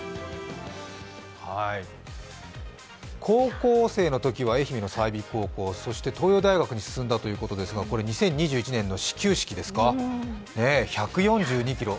高校生のときは愛媛の済美高校、そして東洋大学に進んだということですが２０２１年の始球式、１４２キロ。